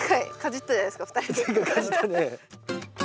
前回かじったね。